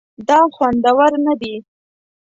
دا خوندور نه دي